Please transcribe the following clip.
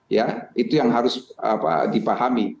ya itu yang harus dipahami